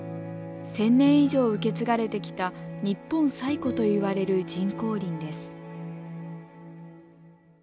１，０００年以上受け継がれてきた日本最古といわれる人工林です。